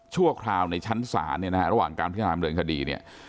ชั่วคราวในชั้นศาลเนี่ยนะฮะระหว่างการพิจารณาเดินคดีเนี่ย